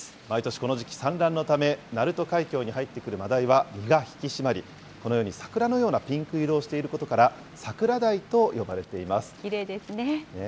毎年この時期、産卵のため鳴門海峡に入ってくるマダイは身が引き締まり、このように桜のようなピンク色をしていることから、桜だいと呼ばきれいですね。